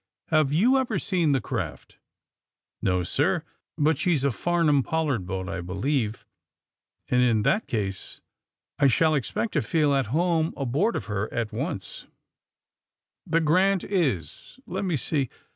' Have you ever seen the craft t ''*^ No, sir ; but she 's a Farnum Pollard boat, I believe, and in that case I shall expect to feel at home aboard of her at once.'^ *^The ^ Grant' is — ^let me see."